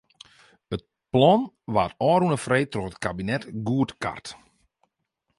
It plan waard ôfrûne freed troch it kabinet goedkard.